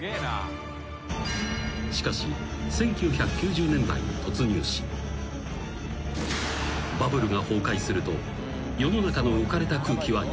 ［しかし１９９０年代に突入しバブルが崩壊すると世の中の浮かれた空気は一変］